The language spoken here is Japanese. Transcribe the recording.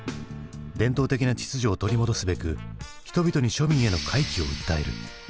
伝統的な秩序を取り戻すべく人々に庶民への回帰を訴える。